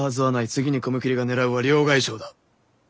次に雲霧が狙うは両替商だ。